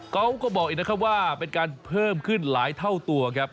เขาก็บอกอีกนะครับว่าเป็นการเพิ่มขึ้นหลายเท่าตัวครับ